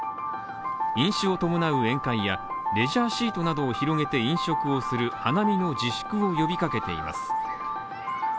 飲酒を伴う宴会やレジャーシートなどを広げて飲食をする花見の自粛を呼びかけています。